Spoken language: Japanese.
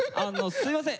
すいません